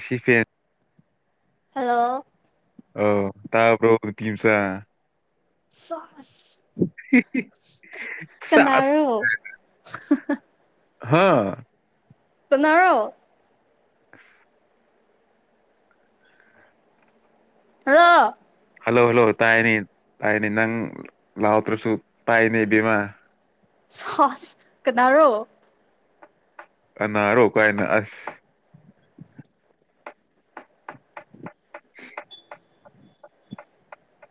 ꯁꯤꯐꯦꯟ hello ꯑꯣ ꯇꯥꯕ꯭ꯔꯣ ꯅꯨꯄꯤꯝꯆꯥꯥ ꯁꯥꯁ ꯍꯤ ꯍꯤ ꯁꯥꯁ ꯀꯅꯥꯔꯣ [unintelligible] ꯍꯥ ꯀꯅꯔꯣ [inaudible] ꯍꯂꯣ ꯍꯜꯂꯣ ꯍꯜꯂꯣ ꯇꯥꯏꯅꯤ ꯇꯥꯏꯅꯤ ꯅꯪ ꯂꯥꯎꯗ꯭ꯔꯁꯨ ꯇꯥꯏꯅꯦ ꯏꯕꯦꯝꯃꯥ ꯁꯥꯁ ꯀꯅꯥꯔꯣ ꯀꯅꯔꯣ ꯀꯥꯏꯅ ꯑꯁ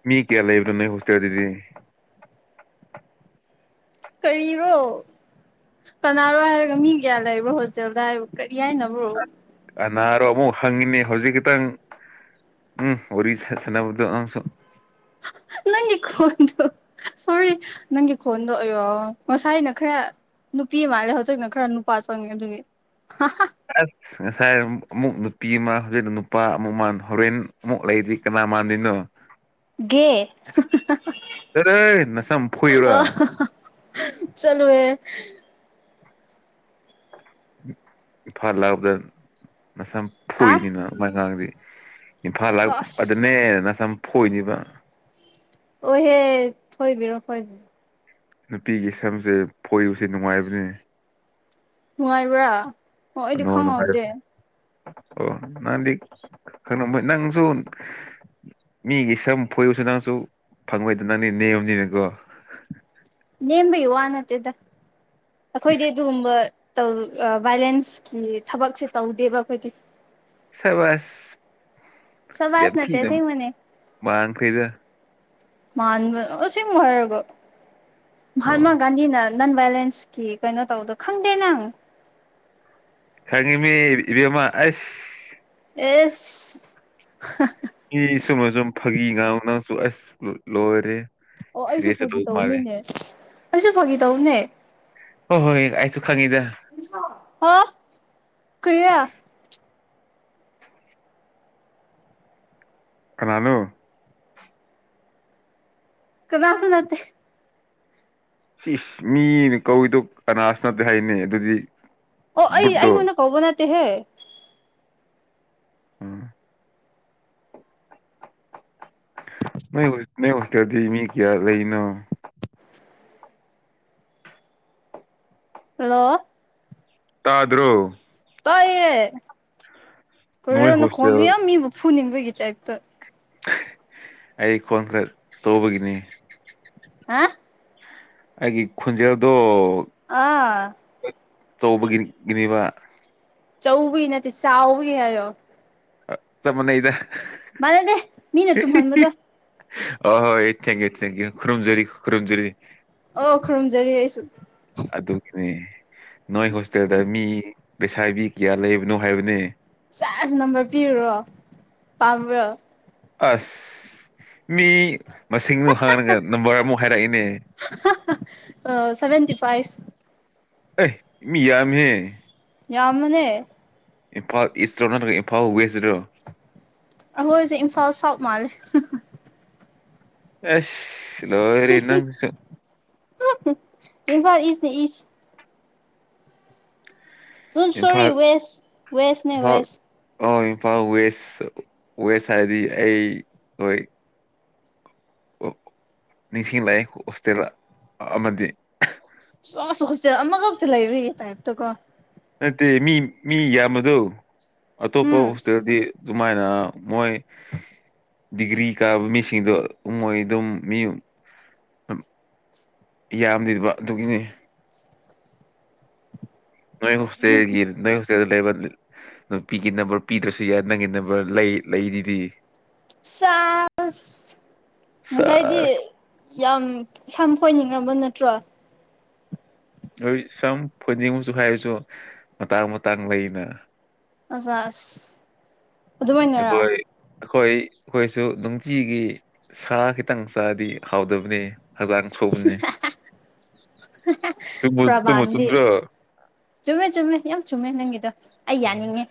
ꯃꯤ ꯀꯌꯥ ꯂꯩꯕ꯭ꯔ ꯅꯣꯢ ꯍꯣꯁꯇꯦꯜꯗꯗꯤ ꯀꯔꯤꯔꯣ ꯀꯅꯥꯔꯣ ꯍꯥꯏꯔꯒ ꯃꯤ ꯀꯌꯥ ꯂꯩꯕ꯭ꯔꯣ ꯍꯣꯁꯇꯦꯜꯗ ꯍꯥꯏꯕ ꯀꯔꯤ ꯍꯥꯏꯅꯣ ꯑꯅꯥꯔꯣ ꯑꯃꯨꯛ ꯍꯪꯉꯤꯅꯤ ꯍꯧꯖꯤꯛ ꯈꯇꯪ ꯎꯝ ꯋꯥꯔꯤ ꯁꯥꯅꯕꯗꯨ ꯅꯪꯁꯨ [unintelligible] ꯅꯪꯒꯤ ꯈꯣꯟꯗꯣ ꯁꯣꯔꯤ ꯅꯪꯒꯤ ꯈꯣꯟꯗꯣ ꯑꯣꯏꯌꯣ ꯉꯁꯥꯏꯅ ꯈꯔ ꯅꯨꯄꯤ ꯃꯥꯜꯂꯦ ꯍꯧꯖꯤꯛꯅ ꯈꯔ ꯅꯨꯄꯥ ꯆꯪꯉꯦ ꯑꯗꯨꯒꯤ ꯍꯥ ꯍꯥ ꯑꯁ ꯉꯁꯥꯏ ꯑꯃꯨꯛ ꯅꯨꯄꯤ ꯑꯃ ꯍꯧꯖꯤꯛ ꯅꯨꯄꯥ ꯑꯃꯨꯛ ꯍꯣꯔꯦꯟ ꯑꯃꯨꯛ ꯂꯩꯔꯗꯤ ꯀꯅꯥ ꯃꯥꯟꯗꯣꯏꯅꯣ ꯒꯦ ꯆꯔꯍꯦ ꯅꯁꯝ ꯐꯣꯢꯌꯨꯔꯥ ꯆꯂꯨ ꯍꯦ ꯏꯝꯐꯥꯜ ꯂꯥꯛꯄꯗ ꯃꯁꯝ ꯍꯥ ꯐꯨꯏꯅꯤꯅ ꯑꯗꯨꯃꯥꯏ ꯉꯥꯡꯑꯗꯤ ꯏꯝꯐꯥꯜ ꯁꯥꯁ ꯂꯥꯛꯄꯗꯅꯦ ꯅꯁꯝ ꯐꯣꯏꯅꯤꯕ ꯍ‍ꯣꯏꯍ‌ꯦ ꯊꯣꯏꯕꯤꯔꯣ ꯈꯣꯏꯕꯤꯔꯣ ꯅꯨꯄꯤꯒꯤ ꯁꯝꯁꯦ ꯐꯣꯏꯕꯁꯦ ꯅꯨꯡꯉꯥꯏꯕꯅꯤꯅ‌ꯦ ꯅꯨꯡꯉꯥꯏꯕ꯭ꯔꯥ ꯑꯣ ꯑꯩꯗꯤ ꯑꯅꯧ ꯅꯨꯡꯉꯥꯏ ꯈꯪꯍꯧꯗꯦ ꯑꯣ ꯅꯪꯗꯤ ꯀꯂꯝꯩ ꯅꯪꯁꯨ [unintelligible] ꯃꯤꯒꯤ ꯁꯝ ꯐꯣꯏꯕꯁꯨ ꯅꯪꯁꯨ ꯐꯪꯉꯣꯏꯗ ꯅꯪꯗꯤ ꯅꯦꯝꯕꯅꯤꯅꯀꯣ ꯅꯦꯝꯕꯒꯤ ꯋꯥ ꯅꯠꯇꯦꯗ ꯑꯩꯈꯣꯏꯗꯤ ꯏꯁ ꯑꯗꯨꯒꯨꯝꯕ ꯇꯧ ꯚꯥꯏꯂꯦꯟꯁꯀꯤ ꯊꯕꯛꯁꯦ ꯇꯧꯗꯦꯕ ꯑꯩꯈꯣꯏꯗꯤ ꯁꯕꯁ ꯌꯥꯝ ꯁꯕꯥꯁ ꯅꯠꯇꯦ ꯊꯤꯅ ꯑꯁꯦꯡꯕꯅꯦ ꯃꯥꯡꯈꯩꯗ ꯃꯥꯟꯕ ꯑꯁ‌ꯦꯡꯕ ꯍꯥꯏꯔꯒ ꯃꯍꯥꯠꯃ ꯑꯣ ꯒꯥꯟꯗꯤꯅ ꯅꯟ ꯚꯦꯂꯦꯟꯁꯀꯤ ꯀꯩꯅꯣ ꯇꯧꯗꯣ ꯈꯪꯗꯦ ꯅꯪ ꯈꯪꯉꯤ ꯃꯤ ꯏꯕꯃꯥ ꯑꯁ ꯑꯦ [unintelligible] ꯃꯤ ꯁꯨꯝ ꯑꯁꯨꯝ ꯐꯥꯒꯤꯒꯥꯡꯅꯁꯨ ꯑꯁ ꯂꯣꯏꯔꯦꯍ‌ꯦ ꯑꯣ ꯑꯩꯁꯨ ꯐꯥꯒꯤ ꯇꯧꯅꯤꯅꯦ ꯑꯩꯁꯨ ꯐꯥꯒꯤ ꯇꯧꯅꯦ ꯍꯣꯏ ꯍꯣꯏ ꯑꯩꯁꯨ ꯈꯪꯉꯤꯗ ꯍ ꯀꯌꯥ [unintelligible] ꯀꯅꯥꯅ‌ꯣ ꯀꯅꯥꯥꯁꯨ ꯅꯠꯇ‌ꯦ ꯁꯤ ꯃꯤꯅ ꯀꯧꯏꯗꯣ ꯑꯅꯥꯁꯨ ꯅꯠꯇꯦ ꯍꯥꯏꯅꯤ ꯑꯗꯨꯗꯤ ꯑꯣ ꯑꯩ ꯕꯨꯠꯗꯣ ꯑꯩꯉꯣꯟꯅ ꯀꯧꯕꯧ ꯅꯠꯇꯦꯍꯦ ꯎꯝ ꯅ‌ꯣꯏ ꯅ‌ꯣꯏ ꯍ‍‌ꯣꯁꯇꯗꯤ ꯃꯤ ꯀꯌꯥ ꯂꯩꯅ‌ꯣ ꯍꯜꯂ‌ꯣ ꯇꯥꯗ꯭ꯔꯣ ꯇꯥꯏꯌ‌ꯦ ꯅꯣꯏ ꯀꯩꯅ‌ꯣ ꯅꯈ‌ꯣꯟꯗꯨ ꯍꯣꯁꯇꯦꯜ ꯌꯥꯝ ꯃꯤꯕꯨ ꯐꯨꯅꯤꯡꯕꯒꯤ ꯇꯥꯏꯞꯇ ꯑꯩ ꯈꯣꯟ ꯈꯔ ꯇꯧꯕꯒꯤꯅꯤ ꯑ [unintelligible] ꯑꯩꯒꯤ ꯈ‌ꯣꯟꯖꯦꯜꯗꯣ ꯑꯥ [unintelligible] ꯑꯆꯧꯕ ꯒꯤꯅꯤꯕ ꯆꯧꯕꯒꯤ ꯅꯠꯇꯦ ꯆꯥꯎꯕꯒꯤ ꯍꯥꯏꯌꯣ ꯆꯞ ꯃꯥꯟꯅꯩꯗ ꯃꯥꯟꯅꯗ‌ꯦ ꯃꯤꯅ ꯆꯨꯝꯍꯟꯕꯗꯣ ꯑ ꯍꯣꯏ ꯊꯦꯡꯌꯨ ꯊꯦꯡꯌꯨ ꯈꯨꯔꯨꯝꯖꯔꯤ ꯈꯨꯔꯨꯝꯖꯔꯤ ꯑꯣ ꯈꯨꯔꯨꯝꯖꯔꯤ ꯑꯩꯁꯨ ꯑꯗꯨꯒꯤꯅꯦ ꯅꯣꯏ ꯍꯣꯁꯇꯦꯜꯗ ꯃꯤ ꯂꯩꯁꯥꯕꯤ ꯀꯌꯥ ꯂꯩꯕꯅꯣ ꯍꯥꯏꯕꯅꯦ ꯁꯦꯁ ꯅꯝꯕꯔ ꯄꯤꯌꯨꯔꯣ ꯄꯥꯝꯕ꯭ꯔꯣ ꯑꯁ ꯃꯤ ꯃꯁꯤꯡꯗꯣ ꯍꯡꯉꯒ ꯅꯝꯕꯔ ꯑꯃꯨꯛ ꯍꯥꯏꯔꯛꯑꯦꯅꯦ [unintelligible] ꯁꯚꯦꯟꯇꯤꯐꯥꯏꯚ ꯑꯦ ꯃꯤ ꯌꯥꯝꯃꯤꯍ‌ꯦ ꯌꯥꯝꯕꯅꯦ ꯏꯝꯐꯥꯜ ꯏꯁꯇꯣ ꯅꯠꯇ꯭ꯔꯒ ꯏꯝꯐꯥꯜ ꯋꯦꯁꯇꯗꯣ ꯑꯩꯈꯣꯏꯖꯤ ꯏꯝꯐꯥꯜ ꯁꯥꯛ ꯃꯥꯜꯂꯦ [unintelligible] ꯑꯦꯁ ꯂ‌ꯣꯏꯔ‌ꯦ ꯅꯪ [unintelligible] ꯏꯝꯐꯥꯜ ꯏꯆꯅꯤ ꯏ ꯁꯣꯔꯤ ꯏꯝꯐꯥꯜ ꯋꯦꯁ ꯋꯦꯁꯅꯦ ꯋꯦꯁ ꯑ ꯏꯝꯐꯥꯜ ꯋꯦꯁ ꯋꯦꯁ ꯍꯥꯏꯗꯤ ꯑꯩ ꯍꯣꯏ ꯅꯤꯡꯁꯤꯡꯂꯛꯑꯦ ꯍꯣꯁꯇꯦꯜ ꯑꯃꯗꯤ ꯁꯣꯁ ꯍ‌ꯣꯁꯇ꯭ꯂ‌ꯦꯟ ꯑꯃꯈꯛꯇ ꯂꯩꯕꯒꯤ ꯇꯥꯏ ꯇꯒꯣ ꯅꯠꯇꯦ ꯃꯤ ꯃꯤ ꯌꯥꯝꯕꯗꯣ ꯑꯇꯣꯞꯄ ꯎꯝ ꯍꯣꯁꯇꯦꯜꯗꯤ ꯗꯨꯃꯥꯏꯅ ꯃꯣꯏ ꯗꯤꯒ꯭ꯔꯤ ꯀꯥꯕ ꯃꯤꯁꯤꯡꯗꯣ ꯃꯣꯏ ꯑꯗꯨꯝ ꯃꯤ ꯌꯥꯝꯗꯦꯕ ꯑꯗꯨꯒꯤꯅꯤ ꯅꯣꯏ ꯍꯣꯁꯇꯦꯜꯒꯤ ꯅꯪ ꯒ ꯂꯩꯕ ꯅꯨꯄꯤꯒꯤ ꯅꯝꯕꯔ ꯄꯤꯗ꯭ꯔꯁꯨ ꯌꯥꯏ ꯅꯪꯒꯤ ꯅꯝꯕꯔ ꯂꯩ ꯂꯩꯔꯤꯗꯤ ꯁꯥꯁ ꯉꯁꯥꯏꯗꯤ ꯁꯦꯁ ꯌꯥꯝ ꯁꯝ ꯐ‌ꯣꯏꯅꯤꯡꯔꯕ ꯅꯠꯇ꯭ꯔꯣ ꯍꯣꯏ ꯁꯝ ꯐꯣꯏꯅꯤꯡꯕꯁꯨ ꯍꯥꯏꯔꯁꯨ ꯃꯇꯥꯡ ꯃꯇꯥꯡ ꯂꯩꯅ ꯑꯥꯁꯥꯁ ꯑꯩꯈꯣꯏ ꯑꯩꯈꯣꯏ ꯑꯩꯈꯣꯏꯁꯨ ꯅꯨꯡꯇꯤꯒꯤ ꯁꯂꯥꯠ ꯈꯤꯇꯪ ꯆꯥꯔꯗꯤ ꯍꯥꯎꯇꯕꯅꯤ ꯍꯛꯖꯥꯡ ꯁꯨꯕꯅ‌ꯦ ꯆꯨꯝꯕꯨ ꯄ꯭ꯔꯃꯥꯟꯗꯤ ꯆꯨꯝꯗ꯭ꯔꯣ ꯆꯨꯝꯃꯦ ꯆꯨꯝꯃꯦ ꯌꯥꯝ ꯆꯨꯝꯃꯦ ꯅꯪꯒꯤꯗꯣ ꯑꯩ ꯌꯥꯅꯤꯡꯉꯦ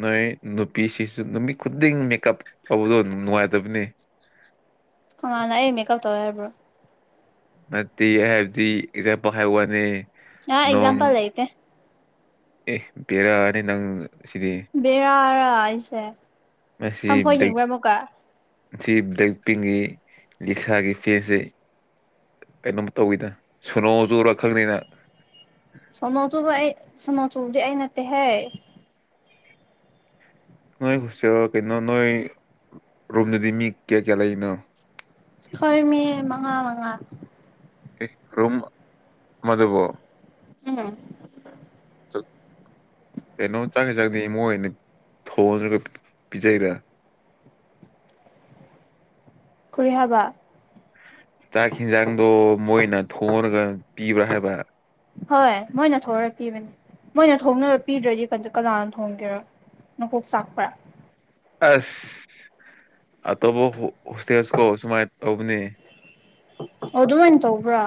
ꯅꯣꯏ ꯅꯨꯄꯤꯁꯤꯁꯨ ꯅꯨꯃꯤꯠ ꯈꯨꯗꯤꯡ ꯃꯦꯀꯞ ꯇꯧꯕꯗꯣ ꯅꯨꯡꯉꯥꯏꯇꯕꯅꯤ ꯀꯅꯥꯅ ꯑꯩ ꯃꯦꯀꯞ ꯇꯧꯋꯦ ꯍꯥꯏꯔꯕ꯭ꯔꯣ ꯅꯠꯇꯦ ꯍꯥꯏꯕꯗꯤ ꯑꯦꯛꯖꯥꯝꯄꯜ ꯍꯥꯏ ꯋꯥꯅꯦ ꯑ ꯑꯦꯛꯖꯥꯝꯄꯜ ꯂꯩꯇꯦ ꯑꯦ ꯕꯦꯔꯥꯅꯤ ꯅꯪꯁꯤꯗꯤ ꯕꯦꯔꯥꯔ ꯑꯩꯁꯦ ꯉꯁꯤ ꯁꯝꯐꯣꯏ ꯕ꯭ꯂꯦꯛ ꯌꯦꯡꯕ꯭ꯔꯥ ꯑꯃꯨꯛꯀ ꯉꯁꯤ ꯕ꯭ꯂꯦꯛ ꯄꯤꯡꯒꯤ ꯂꯤꯁꯥꯒꯤ ꯐꯦꯟꯁ ꯁ‌ꯦ ꯀꯩꯅꯣꯝ ꯇꯧꯋꯤꯗ ꯁꯣꯅꯣ ꯆꯨꯔ ꯈꯪꯗ‌ꯦꯗ ꯁꯣꯅꯣꯆꯨꯕ ꯑꯩ ꯁꯣꯅꯣ ꯆꯨꯕꯗꯤ ꯑꯩ ꯅꯠꯇꯦꯍꯦ ꯅꯣꯏ ꯍꯣꯁꯇꯦꯜ ꯀꯩꯅꯣ ꯅꯣꯏ ꯔꯨꯝꯗꯗꯤ ꯃꯤ ꯀꯌꯥ ꯀꯌꯥ ꯂꯩꯕꯅꯣ ꯈꯣꯏ ꯃꯤ ꯃꯉꯥ ꯃꯉꯥ ꯑꯦ ꯔꯨꯝ ꯑꯃꯗꯕꯨ ꯎꯝ ꯀꯩꯅꯣ ꯆꯥꯡ ꯏꯟꯖꯥꯡꯗꯤ ꯃꯣꯏꯅ ꯊꯣꯡꯔꯒ ꯄꯤꯖꯩꯔꯥ ꯀꯔꯤ ꯍꯥꯏꯕ ꯆꯥꯛ ꯌꯦꯟꯖꯥꯡꯗꯣ ꯃꯣꯏꯅ ꯊꯣꯡꯔꯒ ꯄꯤꯕ꯭ꯔꯥ ꯍꯥꯏꯕ ꯍꯣꯏ ꯃꯣꯏꯅ ꯊꯣꯛꯔ ꯄꯤꯕꯅꯤ ꯃꯣꯏꯅ ꯊꯣꯡꯔ ꯄꯤꯗ꯭ꯔꯗꯤ ꯀꯅꯥꯅ ꯊꯣꯡꯒꯦꯔ ꯅꯀ‌ꯣꯛ ꯆꯥꯛꯄ꯭ꯔ ꯑꯁ ꯑꯇꯣꯞꯄ ꯍ‌ꯣ ꯍꯣꯁꯇꯦꯜꯖꯨ ꯁꯨꯃꯥꯏꯅ ꯇꯧꯕꯅ‌ꯦ ꯑꯣ ꯑꯗꯨꯃꯥꯏꯅ ꯇꯧꯕ꯭ꯔꯥ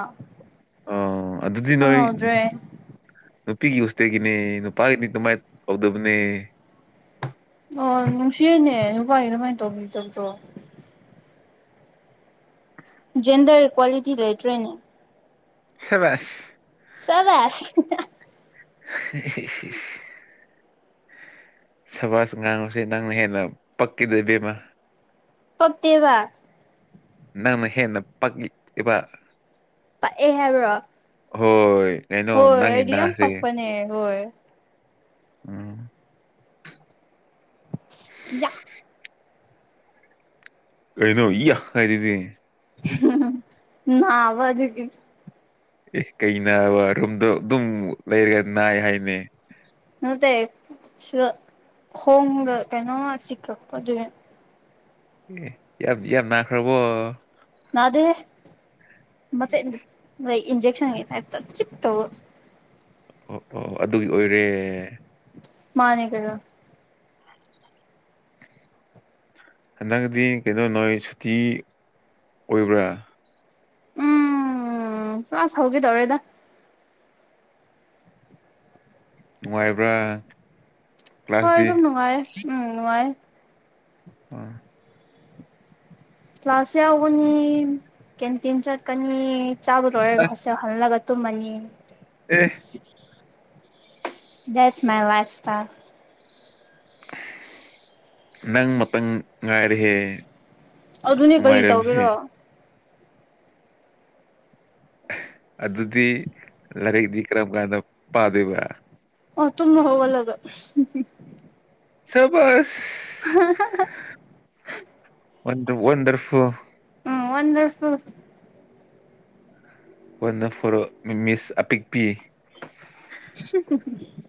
ꯑ‌ꯣ ꯑꯗꯨꯗꯤ ꯅꯣꯏ ꯈꯪꯍꯧꯗ꯭ꯔꯦ ꯅꯨꯄꯤꯒꯤ ꯍꯣꯁꯇꯦꯒꯤꯅꯦ ꯅꯨꯄꯥꯒꯤꯗꯤ ꯑꯗꯨꯃꯥꯏꯅ ꯇꯧꯗꯕꯅꯦ ꯑꯣ ꯅꯨꯡꯁꯤꯅꯦ ꯅꯨꯄꯥꯒꯤ ꯑꯗꯨꯃꯥꯏꯅ ꯇꯧꯕꯤ ꯇꯧꯗ‌ꯣ ꯖꯦꯟꯗꯔ ꯏꯀ꯭ꯋꯥꯂꯤꯇꯤ ꯂꯩꯇ꯭ꯔꯦꯅꯦ ꯁꯕꯁ ꯁꯕꯥꯁ [unintelligible] ꯁꯕꯥꯖ ꯉꯥꯡꯕꯖ‌ꯦ ꯅꯪꯅ ꯍꯦꯟꯅ ꯄꯛꯏꯗ ꯏꯕꯦꯝꯃ ꯄꯛꯇꯦꯕ ꯅꯪꯅ ꯍꯦꯟꯅ ꯄꯛꯏꯕ ꯄꯛꯑꯦ ꯍꯥꯏꯕ꯭ꯔꯣ ꯍꯣꯏ ꯀꯩꯅꯣ ꯅꯪꯒꯤ ꯅꯥꯍꯔ‌ꯦ ꯅ‌ꯦ ꯍꯣꯏ ꯎꯝ ꯌꯥ ꯀꯩꯅꯣ ꯏꯌꯥ ꯍꯥꯏꯔꯤꯗꯤ ꯅꯥꯕ ꯑꯗꯨꯒꯤ ꯑꯦ ꯀꯩꯅꯕ ꯔꯨꯝꯗꯣ ꯑꯗꯨꯝ ꯂꯩꯔꯒ ꯅꯥꯏ ꯍꯥꯏꯅꯦ ꯅꯠꯇꯦ ꯁꯤꯗꯥ ꯈꯣꯡꯗꯥ ꯀꯩꯅꯣꯃ ꯆꯤꯛꯂꯛꯄ ꯑꯗꯨꯒꯤ ꯑꯦ ꯌꯥꯝ ꯌꯥꯝꯅꯥꯈ꯭ꯔꯕꯣ ꯅꯗꯦꯍꯦ ꯃꯆꯦꯛ ꯏꯟꯖꯦꯛꯁꯟꯒꯤ ꯇꯥꯞ ꯇꯥ ꯆꯤꯛ ꯇꯧꯕ ꯑꯣ ꯑꯣ ꯑꯗꯨꯒꯤ ꯑꯣꯏꯔꯦ ꯃꯥꯅꯦ ꯀꯩꯅꫭ ꯍꯟꯗꯛꯗꯤ ꯀꯩꯅꯣ ꯅꯣꯏ ꯁꯨꯇꯤ ꯑꯣꯏꯕ꯭ꯔꯥ ꯎꯝ ꯀ꯭ꯂꯥꯁ ꯍꯧꯒꯦ ꯇꯧꯔꯦꯗ ꯅꯨꯡꯉꯥꯏꯕ꯭ꯔꯥ ꯍꯣꯏ ꯀ꯭ꯂꯥꯁꯇꯤ ꯑꯗꯨꯝ ꯅꯨꯡꯉꯥꯏꯌꯦ ꯎꯝ ꯅꯨꯡꯉꯥꯏꯌꯦ ꯑꫭ ꯀ꯭ꯂꯥꯁ ꯌꯥꯎꯒꯅꯤ ꯀꯦꯟꯇꯤꯟ ꯆꯠꯀꯅꯤ ꯆꯥꯕ ꯂꯣꯏꯔꯦ ꯑꯁ ꯍꫭꯁꯇꯦꯜ ꯍꯜꯂꯒ ꯇꯨꯝꯃꯅꯤ ꯑꯦ ꯗꯦꯠ ꯃꯥꯏ ꯂꯐꯥ ꯏꯇꯥꯜ ꯅꯪ ꯃꯇꯝ ꯉꯥꯏꯔꯍꯦ ꯑꯗꯨꯅꯦ ꯀꯔꯤ ꯇꯧꯒꯦꯔꯣ ꯑꯗꯨꯗꯤ ꯂꯥꯏꯔꯤꯛꯇ ꯀꯔꯝ ꯀꯥꯟꯗ ꯄꯥꯗꯣꯏꯕ ꯑꯣ ꯇꯨꯝꯕ ꯍꯧꯒꯠꯂꯒ ꯁꯥꯕꯁ [unintelligible] ꯋꯥꯟꯗꯔ ꯋꯥꯟꯗꯔꯐꯨꯜ ꯎꯝ ꯋꯥꯟꯗꯔꯐꯨꯜ ꯋꯥꯟꯗꯔꯐꯨꯜ ꯃꯤꯁ ꯑꯄꯤꯛꯄꯤ [unintelligible]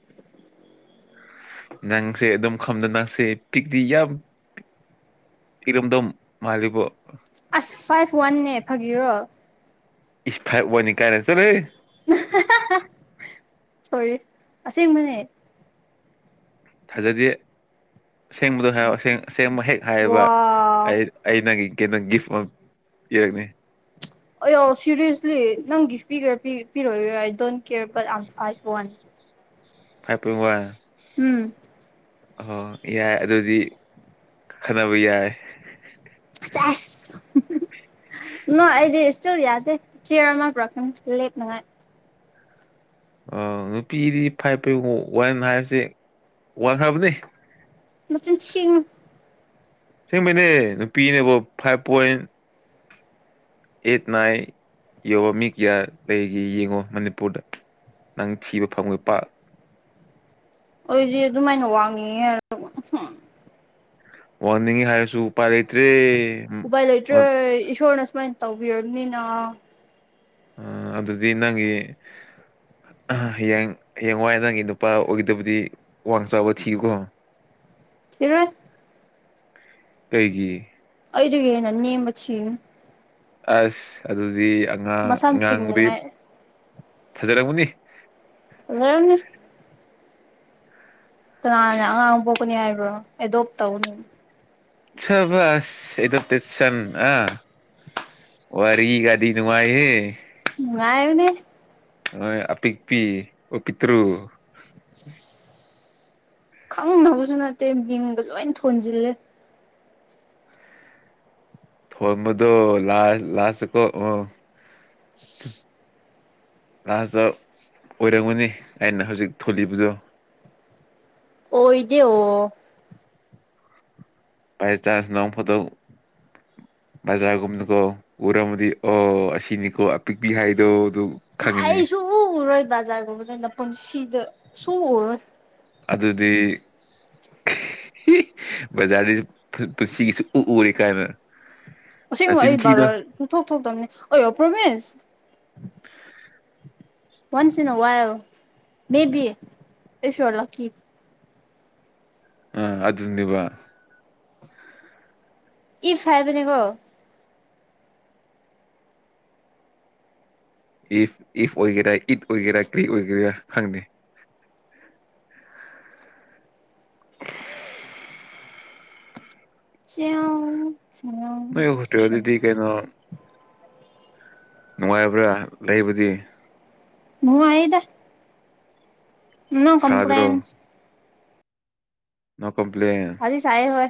ꯅꯪꯁꯦ ꯑꯗꯨꯝ ꯈꯝꯗ ꯅꯪꯁꯦ ꯄꯤꯛ ꯇꯤ ꯌꯥꯝ ꯏꯔꯝꯗꯝ ꯃꯥꯜꯂꯤꯕꯣ ꯑꯁ ꯐꯥꯏꯞ ꯋꯥꯟꯅꯦ ꯐꯥꯒꯤꯔꯣ ꯏꯁ ꯐꯥꯏꯞ ꯋꯥꯟꯅꯤ ꯀꯥꯏꯅ ꯆꯠꯂꯨꯍꯦ ꯁꯣꯔꯤ ꯑꯁꯦꯡꯕꯅꯦ ꯊꯥꯖꯗꯦ ꯑꯁꯦꯡꯕꯗꯣ ꯍꯥꯏꯔꯑꯣꯁ ꯑꯁꯦꯡꯕ ꯍꯦꯛ ꯍꯥꯏꯌꯦꯕ ꯋꯥ ꯑꯩ ꯑꯩ ꯅꯪꯒꯤ ꯀꯩꯅꯣ ꯒꯤꯐ ꯑꯃ ꯄꯤꯔꯛꯅꯤ ꯑꯩꯌꯥ ꯁꯦꯔꯤꯌꯁꯂꯤ ꯅꯪ ꯒꯤꯐ ꯄꯤꯒꯦꯔꯥ ꯄꯤꯔꯣꯏꯔꯥ don't care but I am five one five point one um ꯑꯣ ꯌꯥꯏ ꯑꯗꯨꯗꯤ ꯈꯟꯅꯕ ꯌꯥꯏ [unintelligible] ꯅꯣꯏ ꯑꯩꯗꯤ ꯏꯁꯇꯤꯜ ꯌꯥꯗꯦ ꯆꯤꯌꯔ ꯑꯃ ꯄꯨꯔꯛꯀꯅꯤ ꯂꯦꯞꯅꯉꯥꯏ ꯅꯨꯄꯤꯗꯤ ꯐꯥꯏꯞ ꯄꫭꯏꯟ ꯋꯥꯟ ꯍꯥꯏꯕꯁꯦ ꯋꯥꯟ ꯈꯔꯕꯅꯤ ꯃꯆꯤꯟ ꯊꯤꯅꯨ ꯑꯁꯦꯡꯕꯩꯅꯦ ꯅꯨꯄꯤꯅꯦꯕꯨ ꯐꯥꯏꯞ ꯄꯣꯏꯟ ꯑꯦꯠ ꯅꯥꯏ ꯌꯥꯎꯕ ꯃꯤ ꯀꯌꯥ ꯂꯩꯒꯦ ꯌꯦꯡꯉꯣ ꯃꯅꯤꯄꯨꯔꯗ ꯅꯪ ꯊꯤꯕ ꯐꯪꯉꫭꯏ ꯄꯥꯛ ꯑꯩꯗꯤ ꯑꯗꯨꯃꯥꯏꯅ ꯋꯥꯡꯅꯤꯡꯉꯦ ꯍꯥꯏꯒ [unintelligible] ꯋꯥꯡꯍꯟꯅꯤꯡꯉꯤ ꯍꯥꯏꯔꯁꯨ ꯎꯄꯥꯏ ꯂꯩꯇ꯭ꯔꯦ ꯎꯄꯥꯏ ꯂꯩꯇ꯭ꯔꯦ ꯏꯁꯣꯔꯅ ꯁꯨꯃꯥꯏꯅ ꯇꯧꯕꯤꯔꯕꯅꯤꯅ ꯑ ꯑꯗꯨꯗꯤ ꯅꯪꯒꯤ ꯑ ꯍꯌꯦꯡ ꯍꯌꯦꯡꯋꯥꯏ ꯅꯪꯒꯤ ꯅꯨꯄꯥ ꯑꯣꯏꯒꯗꯕꯗꯤ ꯋꯥꯡ ꯆꯥꯎꯕ ꯊꯤꯌꯨꯀꯣ [unintelligible] [inaudible] ꯀꯩꯒꯤ ꯑꯩꯗꯒꯤ ꯍꯦꯟꯅꯥ ꯅꯦꯝꯕ ꯊꯤꯅꯤ ꯑꯁ ꯑꯗꯨꯗꯤ ꯑꯉꯥꯡ ꯃꯁꯝ ꯑꯉꯥꯡꯕꯨꯗꯤ ꯆꯤꯡꯅꯉꯥꯏ ꯐꯖꯔꯝꯒꯅꯤ [inaudible] ꯀꯅꯥꯅ ꯑꯉꯥꯡ ꯄꯣꯛꯀꯅꯤ ꯍꯥꯏꯕ꯭ꯔꯣ ꯑꯦꯗꯣꯞ ꯇꯧꯅꯤꯅ ꯁꯕꯁ ꯏꯗꯞꯇꯦꯁꯟ ꯑꯥ ꯋꯥꯔꯤꯒꯗꯤ ꯅꯨꯉꯥꯏ ꯍꯦ ꯅꯨꯡꯉꯥꯏꯕꯅꯦ ꯍꯣ ꯑꯄꯤꯛꯄꯤ ꯑꯣ ꯄꯤꯇ꯭ꯔꯨ [unintelligible] ꯈꯪꯅꯕꯁꯨ ꯅꯠꯇꯦ ꯃꯤꯡꯗ ꯂꯣꯏ ꯊꯣꯟꯖꯤꯜꯂꯦ [inaudible] ꯂꯥꯁꯇ ꯑꯣꯏꯔꯝꯒꯅꯤ ꯑꯩꯅ ꯍꯧꯖꯤꯛ ꯊꯣꯜꯂꯤꯕꯗꯣ ꯑꯣꯏꯗꯦ ꯑꯣ ꯕꯥꯏ ꯆꯥꯟꯁ ꯅꯣꯡ ꯐꯥꯗꯣꯛ ꯕꯖꯥꯔꯒꯨꯝꯅꯀꯣ ꯎꯔꯝꯃꯗꯤ ꯑꯣ ꯑꯁꯤꯅꯤꯀꯣ ꯑꯄꯤꯛꯄꯤ ꯍꯥꯏꯗꯣ ꯑꯗꯨ ꯈꯪꯉꯅꯤ ꯑꯩ ꯁꯨ ꯎ ꯎꯔꯣꯏ ꯕꯖꯥꯔꯒꯨꯝꯕꯗꯅ ꯄꯨꯟꯁꯤꯗ ꯁꯨ ꯎ ꯎꯔꯣꯏ ꯑꯗꯨꯗꯤ ꯕꯖꯥꯔꯗ ꯄꯨꯟꯁꯤꯒꯤ ꯁꯨ ꯎ ꯎꯔꯣꯏ ꯀꯥꯏꯅ ꯑꯁꯦꯡꯕ ꯅꯆꯤꯟ ꯑꯩ ꯊꯤꯅꯨ ꯕꯖꯥꯔ ꯁꯨꯡꯊꯣꯛ ꯊꯣꯛꯇꯕꯅꯤ ꯑꯌꯥ ꯄ꯭ꯔꯣꯃꯤꯁ [unintelligible] ꯑꯥ ꯑꯗꯨꯅꯦꯕ ꯏꯐ ꯍꯥꯏꯕꯅꯦ ꯀꯣ ꯏꯐ ꯏꯐ ꯑꯣꯏꯒꯦꯔꯥ ꯏꯠ ꯑꯣꯏꯒꯦꯔꯥ ꯀ꯭ꯔꯤ ꯑꯣꯏꯒꯦꯔꯥ ꯈꯪꯗꯦ [unintelligible] ꯅꯣꯏ ꯍꯣꯇꯦꯜꯗꯨꯗꯤ ꯀꯩꯅꯣ ꯅꯨꯡꯉꯥꯏꯕ꯭ꯔꯥ ꯂꯩꯕꯨꯗꯤ ꯅꯨꯉꯥꯏꯌꯦꯗ ꯅꯣ ꯁꯥꯗ꯭ꯔꯣ ꯀꯝꯄ꯭ꯂꯦꯟ ꯅꯣ ꯀꯝꯄ꯭ꯂꯦꯟ ꯁꯥꯗꯤ ꯁꯥꯢꯌꯦ ꯍꯣꯏ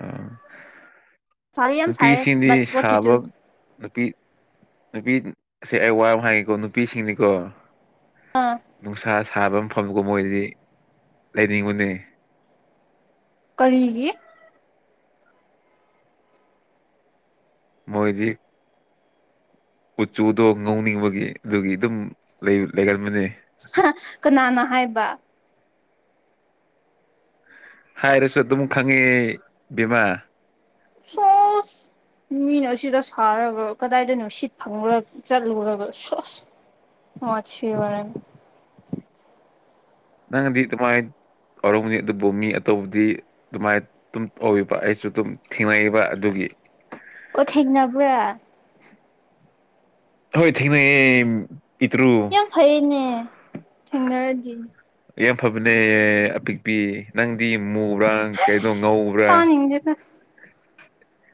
ꯎꯝ ꯁꯥꯗꯤ ꯌꯥꯝ ꯁꯥꯏꯌꯦ ꯅꯨꯄꯤꯁꯤꯡꯗꯤ ꯕꯠ ꯋꯥꯠ ꯇꯨ ꯁꯥꯕ ꯗꯨ ꯅꯨꯄꯤ ꯅꯨꯄꯤ ꯁꯦ ꯑꯩ ꯋꯥꯑꯃ ꯍꯥꯏꯒꯦꯀꯣ ꯅꯨꯄꯤꯁꯤꯡꯗꯤꯀꯣ ꯑꯥ ꯅꯨꯡꯁꯥ ꯁꯥꯕ ꯃꯐꯝꯗ ꯃꯣꯏꯗꯤ ꯂꯩꯅꯤꯡꯕꯅꯦ ꯀꯔꯤꯒꯤ ꯃꯣꯏꯗꯤ ꯀꯨꯆꯨꯗꯣ ꯉꯧꯅꯤꯡꯕꯒꯤ ꯑꯗꯨꯒꯤ ꯑꯗꯨꯝ ꯂꯩꯒꯟꯕꯅꯦ ꯀꯅꯥꯅ ꯍꯥꯏꯕ ꯍꯥꯏꯔꯁꯨ ꯑꯗꯨꯝ ꯈꯪꯉꯦ ꯕꯦꯝꯃꯥ [unintelligible] ꯃꯤꯅ ꯑꯁꯤꯗ ꯁꯥꯔꯒ ꯀꯗꯥꯏꯗ ꯅꯨꯡꯁꯤꯠ ꯐꯪꯔ ꯆꯠꯂꯨꯔꯒ ꯁꯁ ꯋꯥꯊꯤ ꯋꯥꯔꯦꯝ ꯅꯪꯗꯤ ꯀꯃꯥꯏꯅ ꯇꯧꯔꯝꯒꯅꯤ ꯑꯗꯨꯕꯨ ꯃꯤ ꯑꯇꯣꯞꯄꯗꯤ ꯑꯗꯨꯃꯥꯏꯅ ꯑꯗꯨꯝ ꯇꯧꯕ ꯑꯩꯁꯨ ꯑꯗꯨꯝ ꯊꯦꯡꯅꯕ ꯑꯗꯨꯒꯤ ꯑꯣ ꯊꯦꯡꯅꯕ꯭ꯔꯥ ꯍꯣꯏ ꯊꯦꯡꯅꯩꯌꯦ ꯄꯤꯛꯇ꯭ꯔꯨ ꯌꯥꯝ ꯐꯩꯅꯦ ꯊꯦꯡꯅꯔꯗꯤ ꯌꯥꯝ ꯐꯕꯅꯦ ꯑꯄꯤꯛꯄꯤ ꯅꯪꯗꯤ ꯃꯨꯕ꯭ꯔꯥ ꯀꯩꯅꯣ ꯉꯧꯕ꯭ꯔꯥ ꯇꯥꯅꯤꯡꯗꯦꯗ